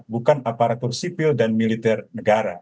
bukan aparatur sipil dan militer negara